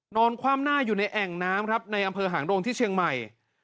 คว่ำหน้าอยู่ในแอ่งน้ำครับในอำเภอหางดงที่เชียงใหม่